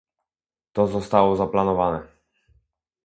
To zostało zaplanowane